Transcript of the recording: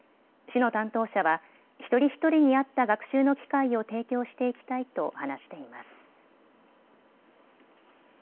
市の担当者は一人一人に合った学習の機会を提供していきたいと話しています。